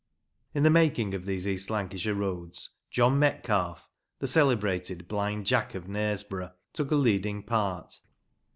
In the making of these East Lancashire roads, John Metcalfe, the celebrated "Blind Jack of Knaresborough," took a leading part.